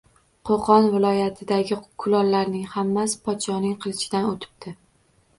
Qo‘qon viloyatidagi kulollarning hammasi podshoning qilichidan o‘tibdi